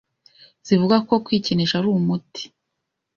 zivuga ko kwikinisha ari umuti